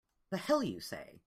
The hell you say!